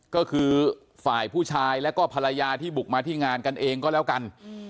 ก็คือฝ่ายผู้ชายแล้วก็ภรรยาที่บุกมาที่งานกันเองก็แล้วกัน